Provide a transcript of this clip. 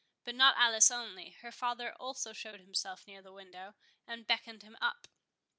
But not Alice only, her father also showed himself near the window, and beckoned him up.